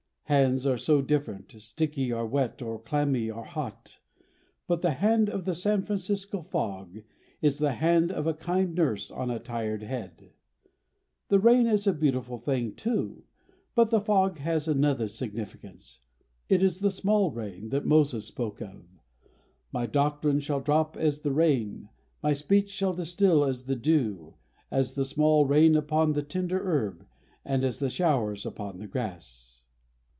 Hands are so different, sticky or wet or clammy or hot, but the hand of the San Francisco fog is the hand of a kind nurse on a tired head. The rain is a beautiful thing too, but the fog has another significance. It is the "small rain" that Moses spoke of "My doctrine shall drop as the rain, my speech shall distil as the dew, as the small rain upon the tender herb, and as the showers upon the grass."